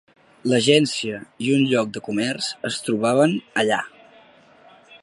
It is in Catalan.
L'agència i un lloc de comerç es trobaven allà.